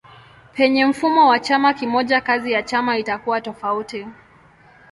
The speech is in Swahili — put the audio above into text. Penye mfumo wa chama kimoja kazi ya chama itakuwa tofauti.